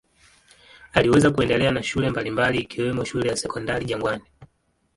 Aliweza kuendelea na shule mbalimbali ikiwemo shule ya Sekondari Jangwani.